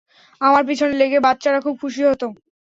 আমার পিছনে লেগে বাচ্চারা খুব খুশি হত।